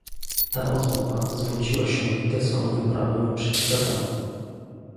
"Ta rozmowa zwróciła się litewską wyprawę przeciw Tatarom."